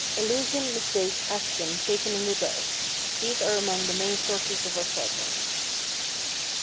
Illusion, mistake, action taken in the dark—these are among the main sources of our progress.